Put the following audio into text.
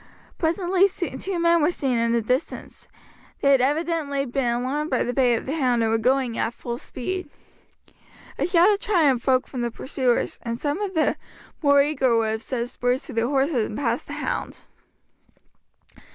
Presently two men were seen in the distance; they had evidently been alarmed by the bay of the hound, and were going at full speed. A shout of triumph broke from the pursuers, and some of the more eager would have set spurs to their horses and passed the hound.